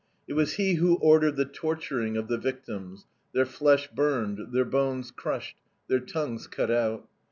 It was he who ordered the torturing of the victims, their flesh burned, their bones crushed, their tongues cut out.